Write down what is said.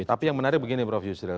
tapi yang menarik begini prof yusril